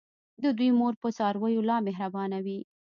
د دوی مور په څارویو لا مهربانه وي.